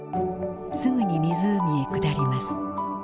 すぐに湖へ下ります。